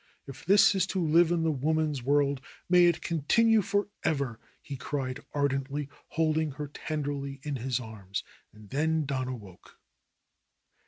"If this is to live in the woman's world, may it con tinue forever!" he cried ardently, holding her tenderly in his arms. And then Don awoke.